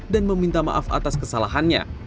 dan meminta maaf atas kesalahannya